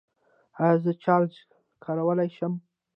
ایا زه چارجر کارولی شم؟